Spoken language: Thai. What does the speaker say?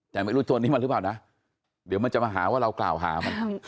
แต่ไม่รู้ตัวนี้มันหรือเปล่านะเดี๋ยวมันจะมาหาว่าเรากล่าวหามัน